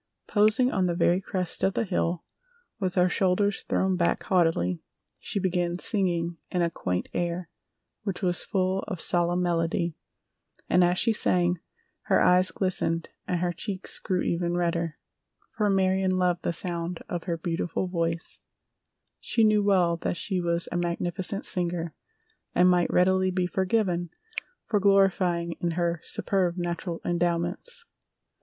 Posing on the very crest of the hill with her shoulders thrown back haughtily, she began singing a quaint air which was full of solemn melody, and as she sang her eyes glistened and her cheeks grew even redder, for Marion loved the sound of her beautiful voice—she knew well that she was a magnificent singer, and might readily be forgiven for glorying in her superb natural endowments.